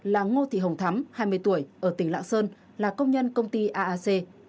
là ngô thị hồng thắm hai mươi tuổi ở tỉnh lạng sơn là công nhân công ty aac